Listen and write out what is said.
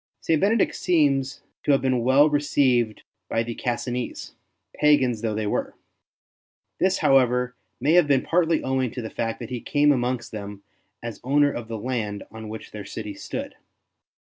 St. Benedict seems to have been well re ceived by the Cassinese, pagans though they were. This, however, may have been partly owing to the fact that he came amongst them as owner of the land on which their city stood.